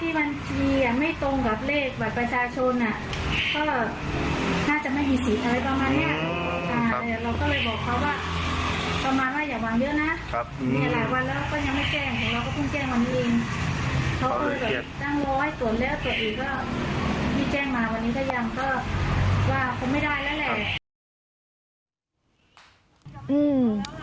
พี่แจ้งมาวันนี้ก็ยังว่าคงไม่ได้แล้วแหละ